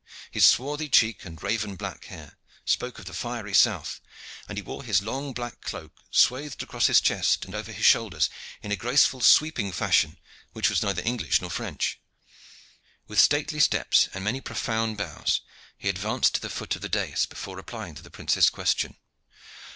His swarthy cheek and raven black hair spoke of the fiery south, and he wore his long black cloak swathed across his chest and over his shoulders in a graceful sweeping fashion, which was neither English nor French. With stately steps and many profound bows, he advanced to the foot of the dais before replying to the prince's question.